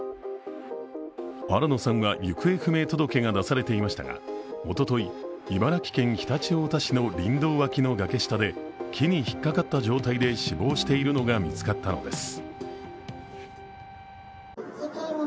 新野さんは行方不明届が出されていましたが、おととい、茨城県常陸太田市の林道脇の崖下で木に引っかかった状態で死亡しているのが見つかったのです。